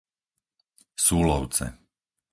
Súlovce